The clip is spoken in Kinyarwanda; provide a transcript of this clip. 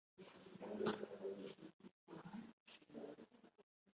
kwandikaho nogushyiraho amashusho no gushushanyaho